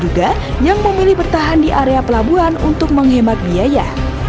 juga yang memilih bertahan di area pelabuhan untuk menghemat biaya